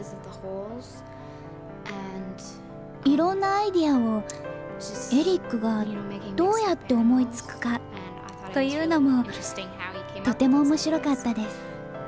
いろんなアイデアをエリックがどうやって思いつくかというのもとても面白かったです。